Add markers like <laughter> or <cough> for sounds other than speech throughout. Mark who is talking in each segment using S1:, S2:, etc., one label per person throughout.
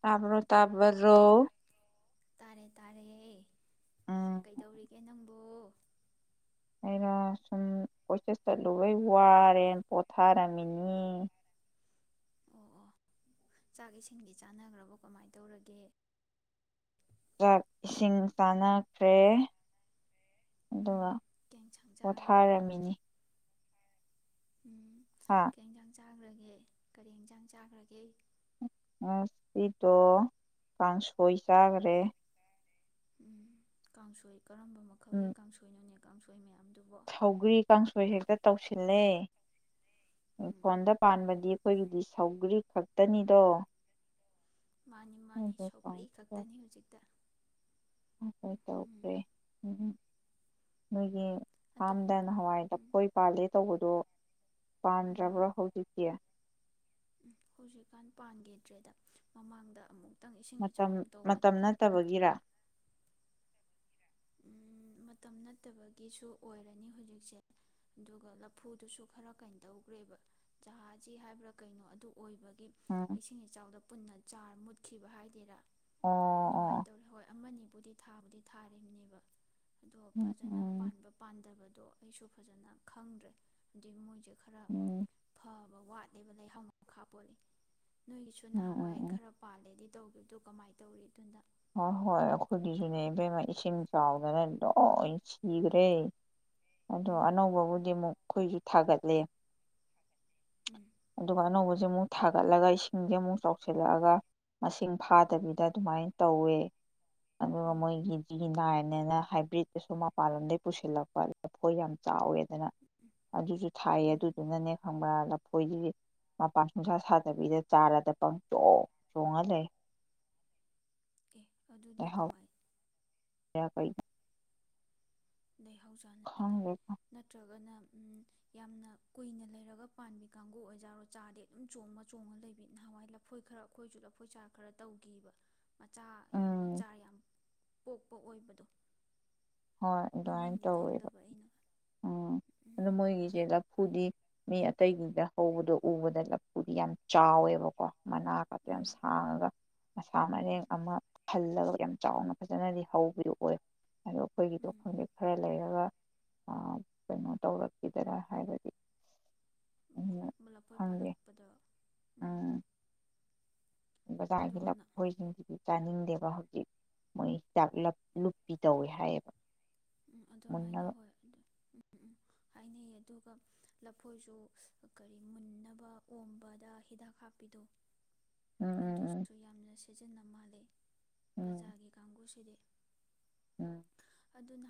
S1: ꯇꯥꯕ꯭ꯔꯣ ꯇꯥꯕꯔꯣ
S2: ꯇꯥꯔꯦ ꯇꯥꯔꯦ
S1: ꯎꯝ
S2: ꯀꯩꯗꯧꯔꯤꯒꯦ ꯅꯪꯕꯨ
S1: ꯑꯩꯔꯣ ꯁꯨꯝ ꯑꯣꯆꯦꯁ ꯆꯠꯂꯨꯕꯩ ꯋꯥꯔꯦꯅ ꯄꯣꯊꯥꯔꯝꯃꯤꯅꯤ
S2: ꯑꯣ ꯑꯣ ꯆꯥꯛ ꯏꯁꯤꯡꯗꯤ ꯆꯥꯅꯒꯔꯕꯣ ꯀꯃꯥꯏ ꯇꯧꯔꯒꯦ
S1: ꯆꯥꯛ ꯏꯁꯤꯡ ꯆꯥꯅꯈ꯭ꯔꯦ ꯑꯗꯨꯒ
S2: ꯎꯝ ꯀꯩ ꯌꯦꯟꯁꯥꯡ ꯆꯥꯈ꯭ꯔꯕ
S1: ꯄꯣꯊꯥꯔꯝꯃꯤꯅꯤ ꯍꯥꯥ
S2: ꯆꯥꯒꯔꯒꯦ ꯀꯔꯤ ꯍꯤꯟꯖꯥꯡ ꯆꯥꯒꯔꯒꯦ
S1: ꯉꯁꯤꯗꯣ ꯀꯥꯡꯁꯣꯏ ꯆꯥꯒꯔꯦ
S2: ꯎꯝ ꯀꯥꯡꯁꯣꯏ ꯀꯔꯝꯕ
S1: ꯎꯝ
S2: ꯃꯈꯜꯒꯤ ꯀꯥꯡꯁꯣꯏꯅꯣꯅꯦ ꯀꯥꯡꯁꯣꯏ ꯃꯌꯥꯝꯗꯨ
S1: ꯁꯧꯒ꯭ꯔꯤ ꯀꯥꯡꯁꯣꯏ ꯍꯦꯛꯇ ꯇꯧꯁꯤꯜꯂꯦ
S2: ꯎꯝ
S1: ꯏꯪꯈꯣꯟꯗ ꯄꯥꯟꯕꯗꯤ ꯑꯩꯈꯣꯏꯒꯤꯗꯤ ꯁꯧꯒ꯭ꯔꯤ ꯈꯛꯇꯅꯤꯗꯣ
S2: ꯃꯥꯅꯤ ꯃꯥꯅꯤ
S1: ꯑꯗꯨ
S2: ꯁꯧꯀꯔꯤ
S1: ꯀꯥꯡꯁꯣꯏ
S2: ꯈꯛꯇꯅꯤ ꯍꯧꯖꯤꯛꯇ ꯎꯝ
S1: ꯅꯣꯒꯤ
S2: ꯑꯇꯣꯞ
S1: ꯐꯥꯝꯗ ꯅ ꯍꯋꯥꯏ
S2: ꯎꯝ
S1: ꯂꯐꯣꯏ ꯄꯥꯜꯂꯦ ꯇꯧꯕꯗꯣ ꯄꯥꯟꯗꯔꯕꯔꯣ ꯍꯧꯖꯤꯛꯇꯤ
S2: ꯎꯝ ꯍꯧꯖꯤꯛꯀꯥꯟ ꯄꯥꯟꯒꯤꯗ꯭ꯔꯦꯗ ꯃꯃꯥꯡꯗ ꯑꯃꯨꯛ
S1: ꯃꯇꯝ ꯃꯇꯝ ꯅꯠꯇꯕꯒꯤꯔ
S2: ꯃꯇꯝ ꯅꯠꯇꯕꯒꯤꯖꯨ ꯑꯣꯏꯔꯅꯤ ꯍꯧꯖꯤꯛꯁꯦ ꯑꯗꯨꯒ ꯂꯐꯨꯗꯨꯁꯨ ꯈꯔ ꯀꯩꯟ ꯇꯧꯒꯔꯦꯕ ꯖꯍꯥꯖꯤ ꯍꯥꯏꯕ꯭ꯔꯥ ꯀꯩꯅꯣ ꯑꯗꯨ ꯑꯣꯏꯕ
S1: ꯎꯝ
S2: ꯏꯁꯤꯡ ꯏꯆꯥꯎꯗ ꯄꯨꯟꯅ ꯆꯥꯔ ꯃꯨꯠꯈꯤꯕ ꯍꯥꯏꯗꯦꯔꯥ
S1: ꯑꯣ
S2: ꯑꯗꯨꯃꯥꯏꯅ
S1: ꯑꯣ
S2: ꯇꯧꯔꯦ ꯍꯣꯏ ꯑꯃꯅꯤ ꯕꯨꯗꯤ ꯊꯥꯕꯨꯗꯤ ꯊꯥꯔꯤꯕꯅꯦꯕ ꯑ ꯑꯗꯣ
S1: ꯎꯝ
S2: ꯐꯖꯅ
S1: ꯎꯝ
S2: ꯄꯥꯟꯕ ꯄꯥꯟꯗꯕꯗ ꯑꯗꯣ ꯑꯩꯁꯨ ꯐꯖꯅ ꯈꯪꯗ꯭ꯔꯦ ꯗꯤ ꯃꯣꯏꯖ ꯈꯔ
S1: ꯎꯝ
S2: ꯐꯥ ꯋꯥꯠꯂꯦꯕ ꯂꯩꯍꯥꯎꯅ ꯈꯥꯄꯣꯠꯂꯤ ꯅꯣꯏꯒꯤꯁꯨ
S1: ꯎꯝ
S2: ꯅꯍꯥꯟꯋꯥꯏ
S1: ꯎꯝ ꯎꯝ
S2: ꯈꯔ ꯄꯥꯜꯂꯦꯗꯤ ꯇꯧꯕꯗꯨ ꯀꯃꯥꯏ ꯇꯧꯔꯤ ꯑꯗꯨꯅ
S1: ꯍꯣꯏ ꯍꯣꯏ ꯑꯩꯈꯣꯏꯒꯤꯖꯨꯅꯦ ꯏꯕꯦꯝꯃ ꯏꯁꯤꯡ ꯆꯥꯎꯗꯅ ꯂꯣꯏ ꯁꯤꯒꯔꯦ ꯑꯗꯣ
S2: ꯎꯝ
S1: ꯑꯅꯧꯕꯕꯨꯗꯤ ꯑꯃꯨꯛ ꯑꯩꯈꯣꯏꯖꯨ ꯊꯥꯒꯠꯂꯦ
S2: ꯎꯝ
S1: ꯑꯗꯨꯒ ꯑꯅꯧꯕꯖꯦ ꯃꯨ ꯊꯥꯒꯠꯂꯒ ꯏꯁꯤꯡꯖꯦ ꯑꯃꯨꯛ ꯆꯥꯎꯁꯤꯜꯂꯛꯑꯒ ꯃꯁꯤꯡ ꯐꯥꯗꯕꯤꯗ ꯑꯗꯨꯃꯥꯏꯅ ꯇꯧꯋꯦ ꯑꯗꯨꯒ
S2: ꯎꯝ
S1: ꯃꯣꯏꯒꯤ ꯖꯤ ꯅꯥꯏ ꯅꯦ ꯅ ꯍꯥꯏꯕ꯭ꯔꯤꯠꯇꯁꯨ ꯃꯄꯥꯟ ꯂꯝꯗꯩ ꯄꯨꯁꯤꯜꯂꯛꯄ ꯂꯐꯣꯏ ꯌꯥꯝ ꯆꯥꯎꯋꯦꯗꯅ ꯑꯗꯨꯖꯨ ꯊꯥꯏꯌꯦ
S2: ꯎꯝ
S1: ꯑꯗꯨꯗꯨꯅꯅꯦ ꯈꯪꯕ꯭ꯔꯥꯂ ꯑꯩꯈꯣꯏꯒꯤ ꯃꯄꯥꯟ ꯅꯨꯡꯁꯥ ꯁꯥꯗꯕꯤꯗ ꯆꯥꯔꯗ ꯄꯪ ꯆꯣꯡ ꯆꯣꯡꯉ ꯂꯩ
S2: ꯑꯦ ꯑꯗꯨꯗꯤ ꯀꯃꯥꯏ
S1: ꯀꯌꯥ <inaudible>
S2: ꯂꯩꯍꯥꯎ ꯆꯥꯟꯅꯗꯕ
S1: ꯈꯪꯗꯦ
S2: ꯅꯠꯇ꯭ꯔꯒꯅ ꯌꯥꯝꯅ ꯀꯨꯏꯅ ꯂꯩꯔꯒ ꯄꯥꯟꯕꯤ ꯀꯥꯡꯒꯨ ꯃꯆꯥ ꯌꯥꯝ
S1: ꯎꯝ
S2: ꯃꯆꯥ ꯌꯥꯝ ꯄꯣꯛꯄ ꯑꯣꯏꯕꯗꯣ
S1: ꯍꯣꯏ ꯑꯗꯨꯃꯥꯏꯅ
S2: ꯃꯃꯤꯡꯗꯤ
S1: ꯇꯧꯋꯦꯕ
S2: ꯈꯪꯗꯕ ꯑꯩꯅ
S1: ꯎꯝ ꯑꯗꯨ
S2: ꯎꯝ
S1: ꯃꯣꯏꯒꯤꯁꯦ ꯂꯐꯨꯗꯤ ꯃꯤ ꯑꯇꯩꯒꯤꯗ ꯍꯧꯕꯗꯣ ꯎꯕꯗ ꯂꯐꯨꯗꯤ ꯌꯥꯝ ꯆꯥꯎꯋꯦꯕꯀꯣ ꯃꯅꯥ ꯀꯗꯣ ꯌꯥꯝ
S2: ꯎꯝ
S1: ꯁꯥꯡꯉꯒ ꯃꯁꯥ ꯃꯔꯦꯡ ꯑꯃ ꯈꯜꯂꯒ ꯌꯥꯝ ꯆꯥꯎꯅ ꯐꯖꯅꯗꯤ ꯍꯧꯕꯗꯨ ꯑꯣꯏ ꯑꯗꯣ ꯑꯩꯈꯣꯏꯒꯤꯗꯣ
S2: ꯎꯝ
S1: ꯈꯪꯗꯦꯛ ꯈꯔ ꯂꯩꯔꯒ ꯑ ꯀꯩꯅꯣ ꯇꯧꯔꯛꯈꯤꯗꯔꯥ ꯍꯥꯏꯕꯗꯤ
S2: ꯂꯐꯣꯏ
S1: ꯈꯪꯗꯦ
S2: ꯄꯥꯜꯂꯛꯄꯗ ꯎꯝ
S1: ꯕꯖꯥꯔꯒꯤ
S2: ꯑꯗꯨꯒꯅ
S1: ꯂꯈꯣꯏꯁꯤꯡꯁꯤꯗꯤ ꯆꯥꯅꯤꯡꯗꯦꯕ ꯍꯧ ꯖꯤꯛ ꯃꯣꯏ ꯍꯤꯗꯥꯛ ꯂꯞ ꯂꯨꯞꯄꯤ ꯇꯧꯋꯦ ꯍꯥꯏꯌꯦꯕ
S2: ꯎꯝ ꯑꯗꯨꯃꯥꯏꯅ
S1: ꯃꯨꯟꯅꯕ
S2: ꯍꯣꯏ ꯑꯗꯨ ꯎꯝ ꯎꯝ ꯍꯥꯏꯅꯩꯌꯦ ꯑꯗꯨꯒ ꯂꯐꯣꯏꯁꯨ ꯀꯔꯤ ꯃꯨꯟꯅꯕ ꯑꯣꯝꯕꯗ ꯍꯤꯗꯥꯛ ꯍꯥꯞꯄꯤꯗꯣ
S1: ꯎꯝ ꯎꯝ
S2: ꯑꯗꯨꯁꯨ ꯌꯥꯝꯅ ꯁꯤ ꯁꯤꯖꯤꯟꯅ ꯃꯥꯜꯂꯦ
S1: ꯎꯝ
S2: ꯕꯖꯥꯔꯒꯤ ꯀꯥꯡꯕꯨꯁꯤꯗꯤ
S1: ꯎꯝ ꯎꯝ
S2: ꯑꯗꯨꯅ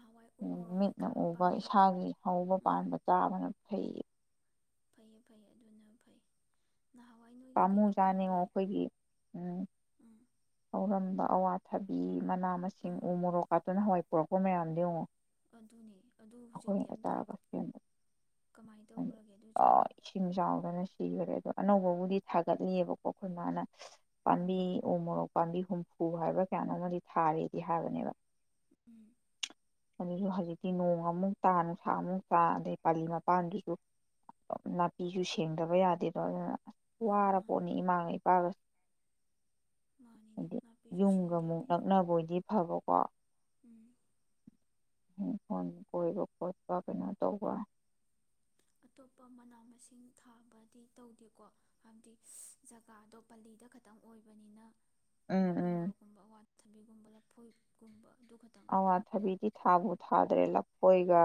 S1: ꯃꯤꯠꯅ ꯎꯕ ꯏꯁꯥꯒꯤ ꯍꯧꯕ
S2: ꯎꯝ
S1: ꯄꯥꯟꯕ ꯆꯥꯕꯅ ꯐꯩꯌꯦ
S2: ꯐꯩꯌꯦ ꯐꯩꯌꯦ ꯑꯗꯨꯅ ꯐꯩ ꯅꯍꯥꯟꯋꯥꯏ ꯅꯣꯏꯒꯤ ꯀꯩꯅꯣ ꯄꯥꯝꯕꯤ
S1: ꯄꯥꯃꯨꯖꯥꯅꯦꯉꯣ ꯑꯩꯈꯣꯏꯒꯤ ꯎꯝ
S2: ꯎꯝ
S1: ꯍꯧꯔꯝꯕ ꯑꯋꯥꯊꯕꯤ ꯃꯅꯥ ꯃꯁꯤꯡ
S2: ꯎꯝ
S1: ꯎ ꯃꯣꯔꯣꯛ ꯀꯥꯇꯨ ꯅꯍꯋꯥꯏ ꯄꯨꯔꯛꯄ ꯃꯌꯥꯝꯗꯦ ꯌꯦꯡꯉꯣ
S2: ꯑꯗꯨꯅꯦ ꯑꯗꯨ
S1: ꯑꯩꯈꯣꯏ
S2: ꯍꯧꯖꯤꯛꯇꯤ ꯑꯝꯇ
S1: ꯆꯔꯒ ꯁꯦꯝꯗ
S2: ꯀꯃꯥꯏꯅ ꯇꯧꯈ꯭ꯔꯒꯦ ꯑꯗꯨꯁꯤꯡꯗꯣ
S1: ꯂꯣꯏ ꯏꯁꯤꯡ ꯆꯥꯎꯗꯅ ꯁꯤꯈꯔꯦ ꯑꯗꯣ ꯑꯅꯧꯕ <inaudible> ꯁꯥꯒꯠꯂꯤꯕꯀꯣ ꯑꯩꯈꯣꯏ ꯃꯥꯅ
S2: ꯎꯝ
S1: ꯄꯥꯟꯕꯤ ꯎ ꯃꯣꯔꯣꯛ ꯄꯥꯝꯕꯤ ꯍꯨꯝꯐꯨ ꯍꯥꯏꯕ꯭ꯔ ꯀꯌꯥꯅꯣ ꯑꯃꯗꯤ ꯊꯥꯔꯤꯗꯤ ꯍꯥꯏꯕꯅꯦꯕ
S2: ꯎꯝ
S1: ꯑꯗꯨꯁꯨ ꯍꯧꯖꯤꯛꯇꯤ ꯅꯣꯡ ꯑꯃꯨꯛ ꯇꯥ ꯅꯨꯡꯁꯥ ꯑꯃꯨꯛ ꯇꯥ ꯑꯗꯩ ꯄꯥꯂꯤ ꯃꯄꯥꯟꯗꯨꯁꯨ ꯅꯥꯄꯤꯁꯨ ꯁꯦꯡꯗꯕ ꯌꯥꯗꯦꯗꯣ ꯑꯗꯨꯅ ꯑꯁ
S2: ꯎꯝ ꯃꯥꯅꯤ
S1: ꯋꯥꯔꯄꯣꯠꯅꯤ ꯏꯃꯥꯒ ꯏꯄꯥꯒꯁꯨ
S2: ꯃꯥꯅꯤꯅꯦ
S1: ꯑꯗꯦ
S2: ꯅꯥꯄꯤꯁꯨ
S1: ꯌꯨꯝꯒ
S2: ꯁꯦꯡꯗ
S1: ꯑꯃꯨꯛ
S2: ꯌꯥꯗꯦ
S1: ꯅꯛꯅꯕ ꯑꯣꯏꯗꯤ ꯐꯕꯥꯀꯣ
S2: ꯎꯝ
S1: ꯎꯝ ꯐꯣꯟ ꯀꯣꯏꯕ ꯈꯣꯠꯄ ꯀꯩꯅꯣ ꯇꯧꯕ
S2: ꯑꯇꯣꯞꯄ ꯃꯅꯥ ꯃꯁꯤꯡ ꯊꯥꯕꯗꯤ ꯇꯧꯗꯦꯀꯣ ꯍꯥꯏꯕꯗꯤ ꯖꯒꯥꯗꯣ ꯄꯜꯂꯤꯗ ꯈꯛꯇꯪ ꯑꯣꯏꯕꯅꯤꯅ
S1: ꯎꯝ
S2: ꯃꯎ
S1: ꯎꯝ
S2: ꯃꯣꯔꯣꯛꯀꯨꯝꯕ ꯋꯥꯠ ꯊꯕꯤꯒꯨꯝꯕ ꯂꯐꯣꯏꯀꯨꯝꯕ
S1: ꯑꯋꯥ ꯑꯋ꯭ꯊꯕꯤꯗꯤ ꯊꯗꯨ ꯊꯗꯔ꯭ꯦꯗꯥ ꯄꯣꯏꯒ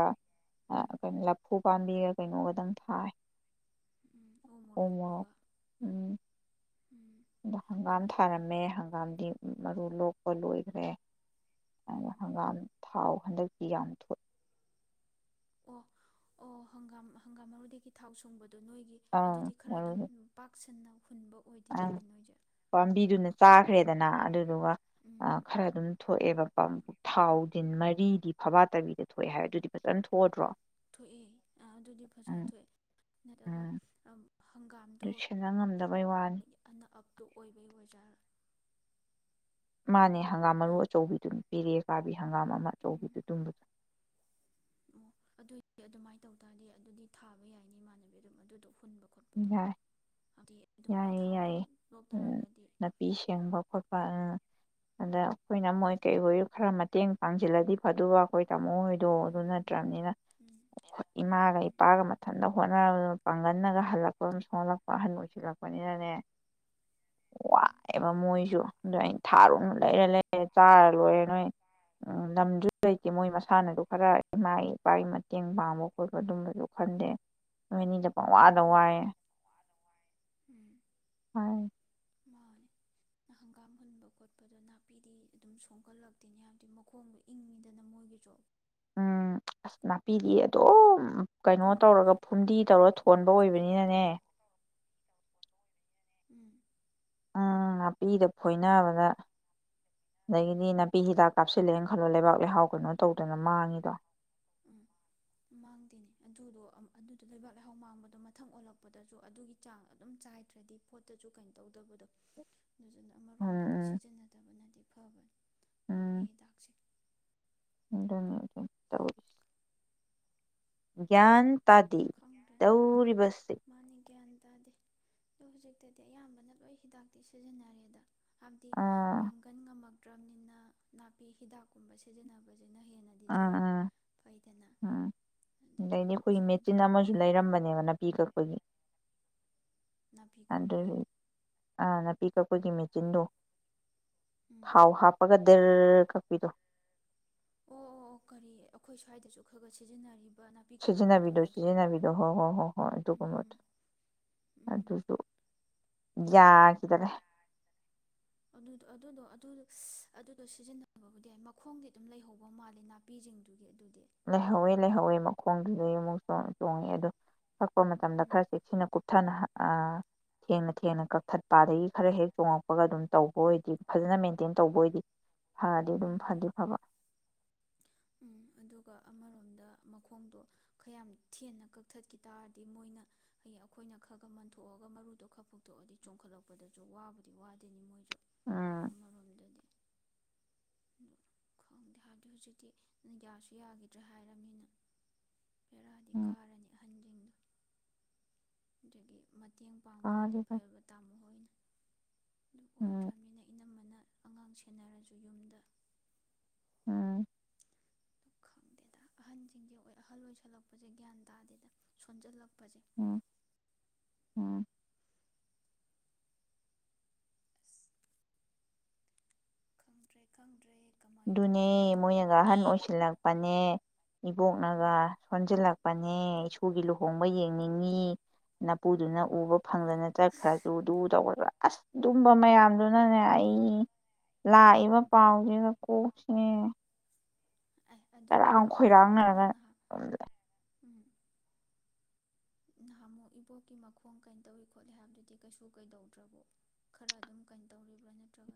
S1: ꯑ
S2: ꯎꯝ
S1: ꯀꯩ ꯂꯥꯐꯨ ꯄꯥꯝꯕꯤꯒ ꯀꯩꯅꯣꯒꯗꯪ ꯊꯥꯏ
S2: ꯎꯝ ꯎ
S1: ꯎꯃꯔꯛ
S2: ꯃꯣꯔꯣꯛꯇꯨꯒ
S1: ꯎꯝ
S2: ꯎꯝ
S1: ꯍꯪꯒꯥꯝ
S2: ꯑꯗꯨ
S1: ꯊꯥꯔꯝꯃꯦ ꯍꯪꯒꯥꯝ ꯗꯦ ꯃꯔꯨ ꯂꯣꯛꯄ ꯂꯣꯏꯈ꯭ꯔꯦ ꯑ
S2: ꯎꯝ
S1: ꯍꯪꯒꯥꯝ ꯊꯥꯎ ꯍꯟꯗꯛꯇꯤ ꯌꯥꯝ ꯊꯣꯛ ꯑꯦ
S2: ꯑꯣ ꯑꯣ ꯍꯪꯒꯥꯝ ꯍꯪꯒꯥꯝ ꯃꯔꯨꯗꯒꯤ ꯊꯥꯎ ꯁꯨꯡꯕꯗ ꯑꯗꯨ ꯅꯣꯏꯒꯤ ꯑꯗꯨꯗꯤ ꯈꯔ ꯑꯗꯨꯝ ꯄꯥꯛꯁꯟꯅ
S1: ꯑ ꯄꯥꯝꯕꯤꯗꯨꯅ ꯆꯥ ꯈ꯭ꯔꯦꯗꯅ ꯑꯗꯨ ꯑꯗꯨꯒ
S2: ꯎꯝ
S1: ꯈꯔ ꯑꯗꯨꯝ ꯊꯣꯛꯑꯦꯕ ꯊꯥꯎ ꯗꯤꯟ ꯃꯔꯤꯗꯤ ꯐꯕꯥ ꯇꯕꯤꯗ ꯊꯣꯛꯑꯦ ꯍꯥꯏꯕ ꯑꯗꯨꯗꯤ ꯐꯖꯅ ꯊꯣꯀꯗꯔꯣ
S2: ꯊꯣꯛꯑꯦ ꯑꯗꯨꯗꯤ ꯐꯖꯅ ꯊꯣꯛꯑꯦ ꯅꯠꯇ꯭ꯔꯒ
S1: ꯎꯝ
S2: ꯍꯪꯒꯥꯝꯗꯣ
S1: ꯑꯗꯨ ꯁꯦꯟꯅ ꯉꯝꯗꯕꯩ ꯋꯥꯅꯤ
S2: ꯑꯅ ꯑꯞ ꯇꯨ ꯑꯣꯏꯕꯒꯤ ꯑꯣꯖꯥꯔ
S1: ꯃꯥꯅꯦ ꯍꯪꯒꯥꯝ ꯃꯔꯨ ꯑꯆꯧꯕꯤꯗꯨꯅꯤ ꯄꯦꯔꯦꯀꯥꯕꯤ ꯍꯪꯒꯥꯝ ꯑꯃ
S2: ꯎꯝ
S1: ꯑꯆꯧꯕꯤꯗꯨ ꯇꯨꯝꯕꯗ
S2: ꯑꯣ ꯑꯗꯨꯏꯗꯤ ꯑꯗꯨꯃꯥꯏꯅ ꯇꯧ ꯇꯥꯔꯗꯤ ꯑꯗꯨꯗꯤ ꯊꯥꯕ ꯌꯥꯏꯅꯤ ꯏꯃꯥꯟꯅꯕꯤ ꯑꯗꯨꯝ ꯑꯗꯨ ꯇꯧ
S1: ꯌꯥꯏ
S2: ꯑꯗꯨꯃꯥꯏꯅ
S1: ꯌꯥꯏꯌꯦ
S2: ꯊꯥꯎꯗꯣ
S1: ꯌꯥꯏꯌꯦ
S2: ꯂꯣꯛ ꯇꯥꯔꯒꯗꯤ
S1: ꯅꯥꯄꯤ
S2: ꯎꯝ
S1: ꯁꯦꯡꯕ ꯈꯣꯠꯄ ꯑꯗ ꯑꯩꯈꯣꯏꯅ
S2: ꯎꯝ
S1: ꯃꯣꯏ ꯀꯩ ꯑꯣꯏ ꯈꯔ ꯃꯇꯦꯡ ꯄꯥꯡꯁꯤꯜꯂꯗꯤ ꯐꯗꯨꯕ ꯑꯩꯈꯣꯏ ꯃꯣꯏꯗꯣ ꯑꯗꯨ ꯅꯠꯇ꯭ꯔꯕꯅꯤꯅ
S2: ꯎꯝ ꯎꯝ
S1: ꯏꯃꯥꯒ
S2: ꯎꯝ
S1: ꯏꯄꯥꯒ ꯃꯊꯟꯇ ꯍꯣꯠꯅ ꯀꯨꯏꯝꯅꯒꯥ ꯍꯜꯂꯛꯄꯝ ꯊꯣꯀꯂꯛꯄꯥ ꯑꯍꯟ ꯑꯣꯏꯁꯤꯜꯂꯛꯄꯅꯤꯅꯅꯦ
S2: ꯎꯝ
S1: ꯋꯥꯕ ꯃꯣꯏꯁꯨ ꯑꯗꯣ ꯑꯩꯅ ꯊꯥꯔꯨ ꯂꯩꯔ ꯂꯩꯔ ꯆꯥꯔ ꯂꯣꯏꯔꯦ ꯅꯣꯏ ꯂꯝꯗꯨꯁꯨ ꯂꯩꯇꯦ ꯃꯣꯏ ꯃꯁꯥꯅꯁꯨ ꯈꯔ ꯏꯃꯥꯒꯤ ꯏꯄꯥꯒꯤ ꯃꯇꯦꯡ ꯄꯥꯡꯕ ꯈꯣꯠꯄ ꯑꯗꯨꯝꯕꯁꯨ ꯈꯟꯗꯦ ꯅꯣꯏ ꯑꯅꯤꯗ
S2: ꯎꯝ
S1: ꯄꯪꯋꯥꯏ
S2: ꯎꯝ
S1: <unintelligible>
S2: ꯃꯥꯅꯦ ꯍꯪꯒꯥꯝ ꯍꯨꯟꯕ ꯈꯣꯠꯄꯗꯣ ꯅꯥꯄꯤꯗꯤ ꯑꯗꯨꯝ ꯁꯣꯛꯒꯠꯂꯛꯇꯦꯅꯤ ꯍꯥꯏꯕꯗꯤ ꯃꯈꯣꯡꯗꯣ ꯏꯪꯉꯤꯗꯅ ꯃꯣꯏꯒꯤꯁꯨ
S1: ꯎꯝ ꯑꯁ ꯅꯥꯄꯤꯗꯤ ꯑꯗꯨꯝ ꯀꯩꯅꯣ
S2: ꯀꯨꯡꯅ
S1: ꯇꯧꯔꯒ
S2: ꯍꯧꯖꯟ
S1: ꯐꯨꯝꯗꯤ ꯇꯧꯔ
S2: ꯀꯩꯅꯣ
S1: ꯊꯣꯟꯕ
S2: ꯅꯥꯄꯤ ꯆꯣꯡꯈꯠꯂꯛꯄꯗ
S1: ꯑꯣꯏꯕꯅꯤꯅꯅꯦ
S2: ꯃꯈꯨꯠ ꯎꯝ
S1: ꯎꯝ ꯅꯥꯄꯤꯗ ꯐꯣꯏꯅꯕꯗ ꯑꯗꯒꯤꯗꯤ ꯅꯥꯄꯤ ꯍꯤꯗꯥꯛ ꯀꯥꯞꯁꯤꯜꯂꯦꯅ ꯈꯜꯂꯣ ꯂꯩꯕꯥꯛ ꯂꯩꯍꯥꯎ ꯀꯩꯅꯣ ꯇꯧꯗꯅ ꯃꯥꯡꯉꯤꯗꯣ
S2: ꯎꯝ ꯃꯥꯡꯗꯦꯅꯦ ꯑꯗꯨꯗꯣ ꯑꯗꯨꯗꯣ ꯂꯩꯕꯥꯛ ꯂꯩꯍꯥꯎ ꯃꯥꯡꯕꯗꯣ ꯃꯊꯪ ꯑꯣꯜꯂꯛꯄꯗꯁꯨ ꯑꯗꯨꯒꯤ ꯆꯥꯡ ꯑꯗꯨꯝ ꯆꯥꯏꯗ꯭ꯔꯗꯤ ꯄꯣꯠꯇꯁꯨ ꯀꯩꯅꯣ ꯇꯧꯗꯕꯗꯣ ꯑꯗꯨꯗꯨꯅ ꯑꯃꯔꯣꯝꯗꯗꯤ
S1: ꯎꯝ
S2: ꯁꯤꯖꯤꯟꯅꯗꯕꯅꯗꯤ ꯐꯕꯅꯤ ꯅꯥꯄꯤ
S1: ꯎꯝ
S2: ꯍꯤꯗꯥꯛꯁꯦ
S1: <unintelligible> ꯭ <unintelligible> ꯇꯥꯗꯤ
S2: ꯈꯪꯗ꯭ꯔꯦꯗ
S1: ꯇꯧꯔꯤꯕꯁꯦ
S2: ꯃꯥꯅꯤ ꯒ꯭ꯌꯥꯟ ꯇꯥꯗꯦ ꯑꯗꯣ ꯍꯧꯖꯤꯛꯇꯗꯤ ꯑꯌꯥꯝꯕꯅ ꯂꯣꯏ ꯍꯤꯗꯥꯛꯇꯤ ꯁꯤꯖꯤꯟꯅꯔꯦꯗ ꯍꯥꯏꯕꯗꯤ
S1: ꯑꯥ
S2: ꯄꯥꯡꯒꯟ ꯉꯝꯃꯛ ꯇ꯭ꯔꯝꯅꯤꯅ ꯅꯥꯄꯤ ꯍꯤꯗꯥꯛꯀꯨꯝꯕ ꯁꯤꯖꯤꯟꯅꯕ
S1: ꯑꯥ
S2: ꯍꯦꯟꯅꯗꯤꯖꯔ
S1: ꯑꯥ
S2: ꯐꯩꯗꯅ ꯑꯗꯨꯗꯨꯅ ꯁꯤꯕꯨꯗꯤ
S1: ꯆꯤꯟ
S2: ꯂꯣꯏꯅ
S1: ꯑꯃꯁꯨ
S2: ꯑꯌꯥꯝꯕ
S1: ꯂꯩꯔꯝꯕꯅꯦꯕ ꯅꯥꯄꯤ ꯀꯛꯄꯒꯤ
S2: ꯅꯥꯄꯤ ꯀꯛꯄꯒꯤ
S1: ꯑꯗꯨꯅꯤ ꯑ ꯅꯥꯄꯤ ꯀꯛꯄꯒꯤ ꯑꯩꯈꯣꯏꯒꯤ ꯃꯦꯆꯤꯟꯗꯣ
S2: ꯎꯝ
S1: ꯊꯥꯎ ꯍꯥꯞꯄꯒ ꯗꯦꯔ ꯀꯛꯄꯤꯗꯣ
S2: ꯑꯣ ꯑꯣ ꯑꯣ ꯀꯔꯤ ꯑꯩꯈꯣꯏ ꯁ꯭ꯋꯥꯏꯗꯁꯨ ꯈꯔ ꯈꯔ ꯁꯤꯖꯤꯟꯅꯔꯤ
S1: ꯁꯤꯖꯤꯟꯅꯕꯤꯗꯣ ꯁꯤꯖꯤꯟꯅꯕꯤꯗꯣ ꯍꯣꯏ ꯍꯣꯏ ꯍꯣꯏ ꯍꯣꯏ ꯑꯗꯨꯒꯨꯝꯕꯗꯣ
S2: ꯎꯝ ꯎꯝ ꯎꯝ
S1: ꯑꯗꯨꯁꯨ ꯌꯥꯈꯤꯗꯔꯦ
S2: ꯑꯗꯨ ꯑꯗꯨꯗꯣ ꯑꯗꯨ ꯑꯗꯨꯗꯣ ꯁꯤꯖꯤꯟꯅꯕꯕꯨꯗꯤ ꯌꯥꯏ ꯃꯈꯣꯡꯗꯤ ꯑꯗꯨꯝ ꯂꯩꯍꯧꯕ ꯃꯥꯜꯂꯦ ꯅꯥꯄꯤꯁꯤꯡꯗꯨꯒꯤ ꯑꯗꯨꯗꯤ
S1: ꯂꯩꯍꯧꯋꯤ ꯂꯩꯍꯧꯋꯤ ꯃꯈꯣꯡꯗꯨꯗꯩ ꯑꯃꯨꯛ ꯆꯣꯡꯉꯦ ꯑꯗꯣ ꯀꯛꯄ ꯃꯇꯝꯗ
S2: ꯎꯝ
S1: ꯈꯔ ꯆꯦꯛꯁꯤꯟꯅ ꯀꯨꯞꯊꯅ ꯊꯦꯡꯅ ꯊꯦꯡꯅ ꯀꯛꯊꯠꯄ ꯑꯗꯒꯤ ꯈꯔ ꯍꯦꯛ ꯆꯣꯡꯉꯛꯄꯒ ꯑꯗꯨꯝ ꯇꯧꯕ ꯑꯣꯏꯗꯤ ꯐꯖꯅ ꯃꯦꯟꯇꯦꯟ ꯇꯧꯕ ꯑꯣꯏꯗꯤ ꯐꯗꯤ ꯑꯗꯨꯝ
S2: ꯎꯝ
S1: ꯐꯗꯤ ꯐꯕ
S2: ꯎꯝ ꯑꯗꯨꯒ ꯑꯃꯔꯣꯝꯗ ꯃꯈꯣꯡꯗꯣ ꯈꯌꯥꯝ ꯊꯦꯟꯅ ꯀꯛꯊꯠꯈꯤ ꯇꯥꯔꯗꯤ ꯃꯣꯏꯅ ꯍꯌꯦꯡ ꯑꯩꯈꯣꯏꯅ ꯈꯔ ꯈ ꯃꯟꯊꯣꯛꯑꯒ ꯃꯔꯨꯗꯣ ꯈꯔ ꯐꯨꯛꯇꯣꯛꯑꯗꯤ ꯆꯣꯡꯈꯠꯂꯛꯄꯗꯁꯨ ꯋꯥꯕꯨꯗꯤ ꯋꯥꯗꯦꯅꯤ ꯃꯣꯏ
S1: ꯎꯝ
S2: ꯑꯃꯔꯣꯝꯗꯗꯤ <unintelligible> ꯍꯥꯗꯤ ꯍꯧꯖꯤ ꯌꯥꯁꯨ ꯌꯥꯈꯤꯗ꯭ꯔꯦ ꯍꯥꯏꯔꯝꯃꯤꯅ
S1: ꯎꯝ
S2: ꯑꯗꯒꯤ ꯃꯇꯦꯡ ꯄꯥꯡꯕ ꯑꯣꯏꯗꯤ
S1: ꯀꯥꯒꯤꯕ
S2: ꯐꯕ ꯇꯥꯃꯣ ꯍꯣꯏꯅ ꯑꯗꯨ
S1: ꯎꯝ
S2: ꯑꯣꯏꯗ꯭ꯔꯅꯤꯅ ꯏꯅꯝꯝꯕꯅ ꯑꯉꯥꯡ ꯁꯦꯟꯅꯔꯁꯨ ꯌꯨꯝꯗ
S1: ꯎꯝ
S2: ꯈꯪꯗꯦꯗ ꯑꯍꯟꯁꯤꯡꯒꯤ ꯑꯣꯏ ꯑꯍꯜ ꯑꯣꯏꯁꯜꯂꯛꯄꯁꯦ ꯒ꯭ꯌꯥꯟ ꯇꯥꯗꯦꯗ ꯁꯣꯟꯖꯜꯂꯛꯄꯁꯦ
S1: ꯎꯝ ꯎꯝ
S2: ꯑꯁ ꯈꯪꯗ꯭ꯔꯦ ꯈꯪꯗ꯭ꯔꯦ ꯀꯃꯥꯏꯅ
S1: ꯑꯗꯨꯅꯦ
S2: ꯇꯧꯗꯣꯏꯅꯣ
S1: ꯃꯣꯏꯅꯒ
S2: ꯃꯣꯏꯅ
S1: ꯑꯍꯟ ꯑꯣꯏꯁꯤꯜꯂꯛꯄꯅꯦ
S2: ꯎꯝ
S1: ꯏꯕꯣꯛꯅꯒ ꯁꯣꯟꯁꯤꯜꯂꯛꯄꯅꯦ ꯅꯦ ꯏꯁꯣꯔꯒꯤ ꯂꯨꯍꯣꯡꯕ ꯌꯦꯡꯅꯤꯡꯉꯤ ꯅꯅꯥꯄꯨꯗꯨꯅ ꯎꯕ
S2: ꯉꯥꯏ
S1: ꯐꯪꯗꯅ ꯆꯠꯈ꯭ꯔꯁꯨꯨꯗꯨ ꯇꯧꯒꯗ꯭ꯔ ꯑꯁ ꯑꯗꯨꯨꯝꯕ ꯃꯌꯥꯝꯗꯨꯅꯅꯦ ꯑꯩ ꯂꯥꯛꯏꯕ ꯄꯥꯎꯁꯤꯒ ꯑꯣ ꯁꯤꯅꯦ
S2: ꯑꯦ ꯑꯗꯨ
S1: ꯉꯔꯥꯡ
S2: ꯍꯥꯏꯔꯒ ꯏꯕꯣꯛꯇꯤ
S1: ꯈꯣꯏꯔꯥꯡꯅꯔꯒ
S2: ꯅꯪ ꯅꯍꯥꯛ
S1: ꯑꯗꯨꯝꯖ
S2: ꯎꯝ ꯅꯍꯥ ꯑꯃꯨꯛ ꯏꯕꯣꯛꯀꯤ ꯃꯈꯣꯡ ꯀꯩꯅꯣ ꯇꯧꯏ ꯈꯣꯠꯂꯤ ꯍꯥꯏꯕꯗꯨꯗꯤ ꯀꯩꯁꯨ ꯀꯩꯗꯧꯗ꯭ꯔꯕꯣ ꯈꯔ ꯑꯗꯨꯝ ꯀꯩꯅꯣ ꯇꯧꯔꯤꯕ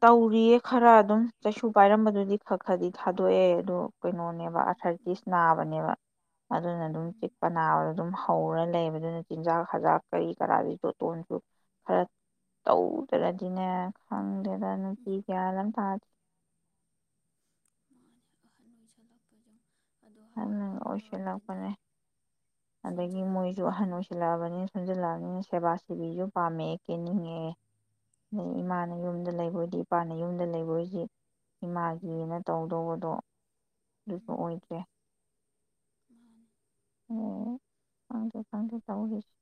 S1: ꯇꯧꯔꯤꯌꯦ ꯈꯔ ꯑꯗꯨꯝ ꯆꯁꯨ ꯄꯥꯏꯔꯝꯕꯗꯨꯗꯤ ꯈꯛ ꯈꯔꯗꯤ ꯊꯥꯗꯣꯛꯑꯦ ꯑꯗꯣ ꯀꯩꯅꯣꯅꯦꯕ
S2: ꯎꯝ ꯎꯝ
S1: ꯑꯥꯊꯔꯇꯤꯁ ꯅꯥꯕꯅꯦꯕ ꯑꯗꯨꯅ ꯑꯗꯨꯝ
S2: ꯎꯝ
S1: ꯆꯤꯛꯄ ꯅꯥꯕꯗ ꯑꯗꯨꯝ ꯍꯧꯔ ꯂꯩꯕꯗꯨꯅ ꯆꯤꯟꯖꯥꯛ ꯍꯖꯥꯛ ꯀꯔꯤ ꯀꯔꯥꯗꯤ ꯣꯇꯣꯟꯁꯨ ꯈꯔ ꯇꯧꯗꯅꯗꯤꯅꯦ ꯈꯪꯗꯦ
S2: ꯎꯝ
S1: ꯀꯌꯥ ꯊꯥ
S2: ꯑꯍꯥꯟ ꯑꯣꯏ ꯆꯜꯂꯛꯄꯖꯨꯝ
S1: ꯑꯍꯟꯅ ꯑꯣꯏꯁꯤꯜꯂꯛꯄꯅꯦ ꯑꯗꯒꯤ ꯃꯣꯏꯁꯨ ꯑꯍꯟ
S2: ꯁꯣꯟꯖꯜꯂꯛꯑꯕꯅꯤꯅ
S1: ꯑꯣꯏꯁꯤꯜꯂꯛꯑꯕꯅꯤꯅ ꯁꯣꯟꯝꯖꯤꯜꯂꯛꯑꯅꯤꯅ ꯦꯕꯥꯁꯤꯕꯤ ꯌꯨꯝ ꯄꯥꯝꯃꯦ ꯀꯦꯟꯅꯤꯡꯉꯦꯦ ꯑꯗꯩ
S2: ꯎꯝ
S1: ꯏꯃꯥꯅ ꯌꯨꯝꯗ ꯂꯩꯕꯗꯤ ꯃꯄꯥꯟꯅ ꯌꯨꯝꯗ ꯂꯩꯕ ꯍꯧꯣꯏꯁꯤ
S2: ꯎꯝ
S1: ꯏꯃꯥꯒꯤꯅ ꯇꯧꯗꯧꯕꯗꯣ ꯑꯗꯨꯁꯨ ꯑꯣꯏꯗ꯭ꯔꯦ
S2: ꯎꯝ
S1: ꯑꯣ ꯊꯥꯡꯒꯦ ꯊꯥꯡꯒꯦ ꯆ ꯍꯁ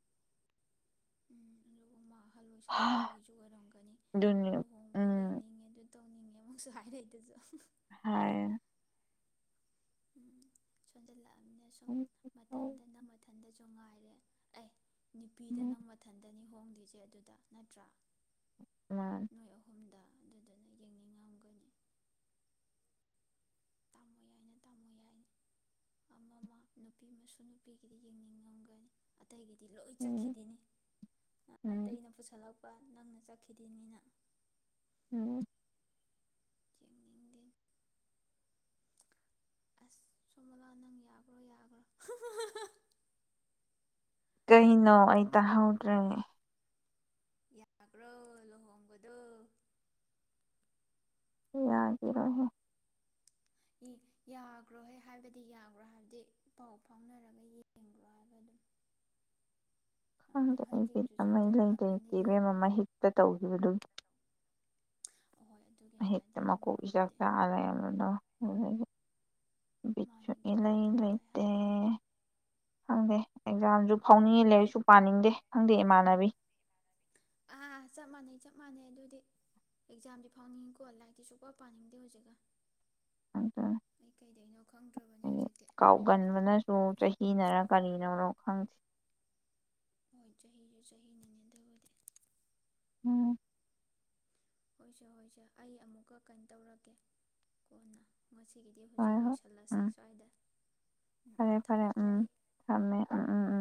S2: ꯎꯝ ꯑꯗꯨꯒ ꯃꯥ ꯑꯍꯜ ꯑꯣꯏꯁꯜꯂꯛꯄꯒꯤꯁꯨ ꯑꯣꯏꯔꯝꯒꯅꯤ
S1: ꯑꯗꯨꯅꯤ
S2: ꯂꯨꯍꯣꯡꯕ
S1: ꯎꯝ
S2: ꯌꯦꯡꯅꯤꯡꯉꯦ ꯑꯗꯨ ꯇꯧꯅꯤꯡꯉꯦ ꯑꯃꯨꯛꯁꯨ ꯍꯥꯏꯅꯩꯗꯁꯨ
S1: ꯍꯥꯏ
S2: ꯎꯝ ꯆꯟꯗꯦꯜꯂ ꯁꯨꯝ ꯃꯊꯟꯇꯅ ꯃꯊꯟꯗꯁꯨ ꯉꯥꯏꯔꯦ ꯑꯩ ꯅꯨꯄꯤꯗ ꯅꯪ ꯃꯊꯟꯇꯅꯤ ꯍꯣꯡꯗ ꯁꯦ ꯑꯗꯨꯗ ꯅꯠꯇ꯭ꯔꯥ ꯅꯣꯏ ꯑꯍꯨꯝꯗ ꯑꯗꯨꯗꯨꯅ ꯌꯦꯡꯅꯤꯡꯉꯝꯒꯅꯤ ꯇꯥꯝꯃꯣ ꯌꯥꯏꯅ ꯇꯥꯝꯃꯣ ꯌꯥꯏꯅꯤ ꯑꯃ ꯑꯃ ꯅꯨꯄꯤ ꯑꯃꯁꯁꯨ ꯅꯨꯄꯤꯒꯤꯗꯤ ꯌꯦꯡꯅꯤꯡꯉꯝꯒꯅꯤ ꯑꯇꯩꯒꯤꯗꯤ ꯂꯣꯏ ꯆꯠꯈꯤꯗꯦꯅꯤ ꯑꯇꯩꯅ ꯄꯨꯁꯜꯂꯛꯄ ꯅꯪꯅ ꯆꯠꯈꯤꯗꯨꯢꯅꯤꯅ
S1: ꯎꯝ
S2: ꯌꯦꯡꯅꯤꯡꯗꯦ ꯑꯁ ꯁꯣꯃꯂꯥ ꯅꯪ ꯌꯥꯕ꯭ꯔꯣ ꯌꯥꯕ꯭ꯔꯣ ꯍꯨꯡ ꯍꯨꯡ ꯍꯨꯡꯍ
S1: ꯀꯩꯅꯣ ꯑꯩ ꯇꯥꯍꯧꯗ꯭ꯔꯦ
S2: ꯌꯥꯒ꯭ꯔꯣ ꯂꯨꯍꯣꯡꯕꯗꯣ
S1: ꯌꯥꯒꯤꯔꯣꯢꯍꯦ
S2: ꯌꯥꯒ꯭ꯔꯣꯍꯦ ꯍꯥꯏꯕꯗꯤ ꯌꯥꯒ꯭ꯔꯣ ꯍꯥꯏꯕꯗꯤ ꯄꯥꯎ ꯐꯥꯎꯅꯔꯒ ꯌꯦꯡꯒ꯭ꯔꯣ ꯍꯥꯢꯕ ꯑꯗꯨꯝ ꯍꯥꯏꯕꯗꯤ
S1: ꯈꯪꯗ ꯑꯩ ꯕꯤꯠ
S2: ꯑꯍꯟꯖꯤꯡꯖꯨ
S1: ꯑꯃ ꯏꯔꯩ
S2: ꯁꯣꯟꯖꯜꯂꯛꯑꯝꯅꯤꯅ
S1: ꯂꯩꯇꯦ ꯏꯕꯦꯝꯃ
S2: ꯌꯦꯡꯉꯣ
S1: ꯃꯍꯤꯛꯇ ꯇꯧꯒꯤꯕꯗꯨ
S2: ꯑꯍꯣꯏ ꯑꯗꯨꯒꯤ
S1: ꯍꯦꯛꯇ
S2: ꯍꯥꯏꯔꯗꯤ
S1: ꯃꯥꯀꯣꯛ ꯏꯆꯥꯛ
S2: ꯑꯃꯔꯣꯝꯗꯗꯤ
S1: ꯆꯥꯛꯑꯒ ꯂꯩꯔꯝꯕꯗꯣ ꯑꯗꯩꯗꯤ ꯕꯤꯠꯀ
S2: ꯃꯥꯅꯦ ꯒ꯭ꯌꯥꯟ
S1: ꯏꯔꯩ
S2: ꯇꯥꯏ ꯇꯥꯏ
S1: ꯂꯩꯇꯦ
S2: ꯍꯥꯏꯔꯒ
S1: ꯈꯪꯗꯦ ꯑꯦꯛꯖꯥꯝꯁꯨ ꯐꯥꯎꯅꯤꯡꯉꯤ ꯂꯥꯢꯔꯤꯛꯁꯨ ꯁꯨ ꯄꯥꯅꯤꯡꯗꯦ ꯈꯪꯗꯦ ꯏꯃꯥꯟꯅꯕꯤ
S2: ꯑꯥ ꯆꯞ ꯃꯥꯟꯅꯩ ꯆꯞ ꯃꯥꯟꯅꯩ ꯑꯗꯨꯗꯤ ꯑꯦꯛꯖꯥꯝꯗꯤ ꯐꯥꯎꯅꯤꯡꯉꯤꯀꯣ ꯂꯥꯏꯔꯤꯛꯇꯤ ꯁꯨꯛꯄ ꯄꯥꯅꯤꯡꯗꯦ ꯍꯧꯖꯤꯛꯀꯥꯟ
S1: ꯑꯗꯨꯅꯤ
S2: ꯑꯩ ꯀꯩꯗꯩꯅꯣ ꯈꯪꯗ꯭ꯔꯕꯅꯦ
S1: ꯍꯥꯢꯗꯤ
S2: ꯍꯧꯖꯤꯛꯇꯤ
S1: ꯀꯥꯎꯒꯟꯕꯅꯁꯨ ꯆꯍꯤꯅꯔ ꯀꯔꯤꯅꯅꯣ ꯈꯪꯗꯦ
S2: ꯍꯣꯏ ꯆꯍꯤꯁꯨ ꯆꯍꯤꯅꯅꯦ ꯑꯗꯨꯕꯨꯗꯤ
S1: ꯎꯝ
S2: ꯍꯣꯏꯁꯦ ꯍꯣꯏꯁꯦ ꯑꯩ ꯑꯃꯨꯛꯀ ꯀꯩꯅꯣ ꯇꯧꯔꯛꯀꯦ ꯀꯣꯟꯅ ꯉꯁꯤꯒꯤꯗꯤ
S1: ꯍꯣꯏ
S2: ꯍꯨꯖꯤꯛ
S1: ꯍꯣꯏ
S2: ꯂꯣꯏꯁꯤꯜꯂꯁꯤ
S1: ꯎꯝ
S2: ꯁ꯭ꯋꯥꯏꯗ ꯎꯝ ꯎꯝ
S1: ꯐꯔꯦ ꯐꯔꯦ
S2: ꯊꯝꯃꯦꯀꯣ
S1: ꯎꯝ
S2: ꯑꯩ ꯎꯝ ꯎꯝ